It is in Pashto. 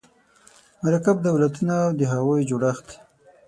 مرکب دولتونه او د هغوی جوړښت